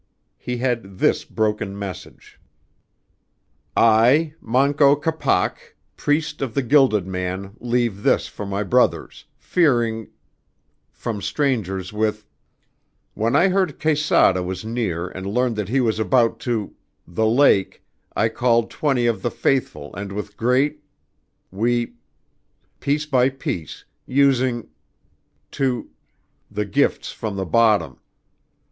He had this broken message: "I, Manco Capac, priest of the Gilded Man leave this for my brothers, fearing from strangers with . When I heard Quesada was near and learned that he was about to the lake I called twenty of the faithful and with great we piece by piece, using to the gifts from the bottom.